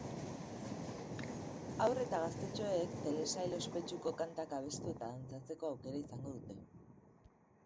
Haur eta gaztetxoek telesail ospetsuko kantak abestu eta dantzatzeko aukera izango dute.